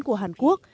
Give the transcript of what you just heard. của hàn quốc